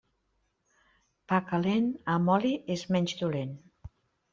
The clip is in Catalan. Pa calent, amb oli és menys dolent.